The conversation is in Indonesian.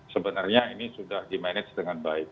sebenarnya ini sudah dimanage dengan baik